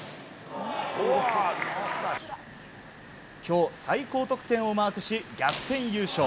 今日、最高得点をマークし逆転優勝。